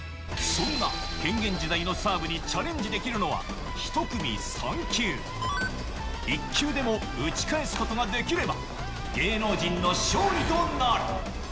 そんな変幻自在のサーブにチャレンジできるのは１組３球、１球でも打ち返すことができれば芸能人の勝利となる。